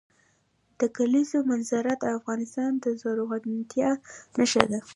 د کلیزو منظره د افغانستان د زرغونتیا نښه ده.